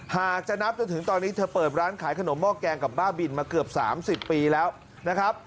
หากจะนับจนถึงตอนนี้เธอเปิดร้านขายขนมหม้อแกงกับบ้าบินมาเกือบ๓๐ปีแล้วนะครับ